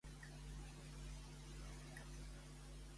Quan es va passar Gil al cinema espanyol?